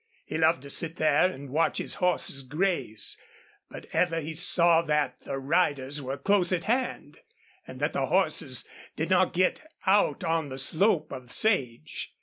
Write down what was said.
He loved to sit there and watch his horses graze, but ever he saw that the riders were close at hand, and that the horses did not get out on the slope of sage.